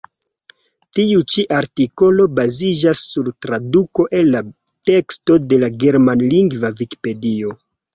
Tiu-ĉi artikolo baziĝas sur traduko el la teksto de la germanlingva vikipedio.